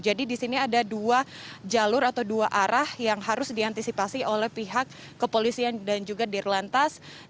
jadi di sini ada dua jalur atau dua arah yang harus diantisipasi oleh pihak kepolisian dan juga dirlantas